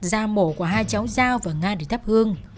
ra mổ của hai cháu giao và nga để thắp hương